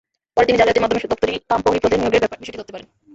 পরে তিনি জালিয়াতির মাধ্যমে দপ্তরি কাম প্রহরী পদে নিয়োগের বিষয়টি ধরতে পারেন।